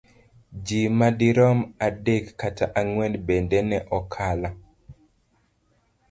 Ji madirom adek kata ang'wen bende ne okalo.